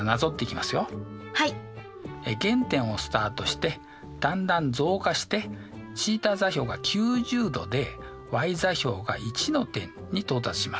原点をスタートしてだんだん増加してθ座標が９０°でｙ座標が１の点に到達します。